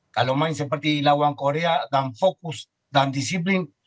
kalau main seperti lawan korea akan fokus dan disiplin